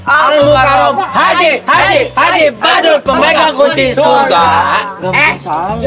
al mukallam haji haji haji padun pemegang koci surga